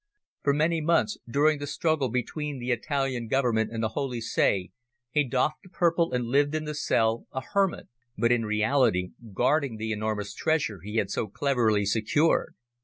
For many months, during the struggle between the Italian Government and the Holy See, he doffed the purple and lived in the cell, a hermit, but in reality guarding the enormous treasure he had so cleverly secured.